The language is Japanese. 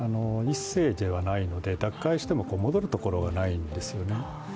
１世ではないので、脱会しても戻るところがないんですよね。